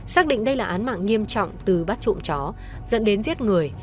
xác định đây là án mạng nghiêm trọng từ bắt trộm chó dẫn đến giết người